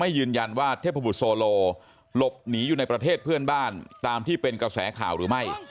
ยืนยันว่าเทพบุตรโซโลหลบหนีอยู่ในประเทศเพื่อนบ้านตามที่เป็นกระแสข่าวหรือไม่